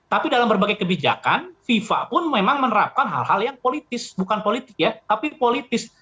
tapi dalam berbagai kebijakan fifa pun memang menerapkan hal hal yang politis bukan politik ya tapi politis